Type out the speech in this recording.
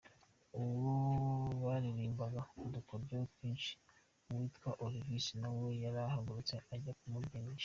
Ubwo baririmbaga ‘Udukodyo twinshi’ uwitwa Olivis nawe yarahagurutse ajya kumubyinisha.